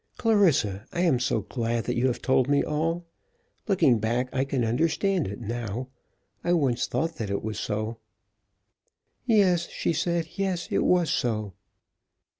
Clarissa, I am so glad that you have told me all. Looking back I can understand it now. I once thought that it was so." "Yes," she said, "yes; it was so."